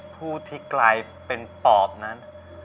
ผู้ที่กลายเป็นปอบนั้น